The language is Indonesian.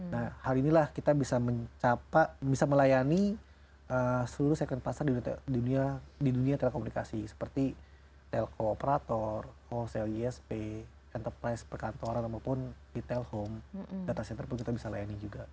nah hari inilah kita bisa mencapai bisa melayani seluruh second pasar di dunia telekomunikasi seperti telko operator hall ceo isp enterprise perkantoran ataupun retail home data center pun kita bisa layani juga